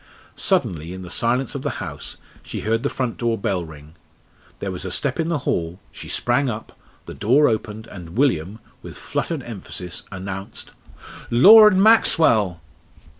Suddenly, in the silence of the house, she heard the front door bell ring. There was a step in the hall she sprang up the door opened, and William, with fluttered emphasis, announced "Lord Maxwell!"